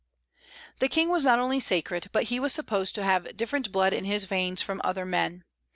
The King was not only sacred, but he was supposed to have different blood in his veins from other men.